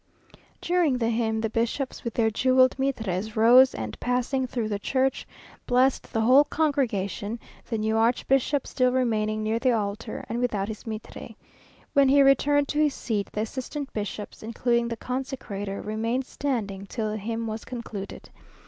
During the hymn, the bishops, with their jewelled mitres, rose, and passing through the church, blessed the whole congregation, the new archbishop still remaining near the altar, and without his mitre. When he returned to his seat, the assistant bishops, including the consecrator, remained standing till the hymn was concluded.